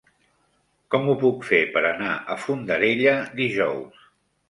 Com ho puc fer per anar a Fondarella dijous?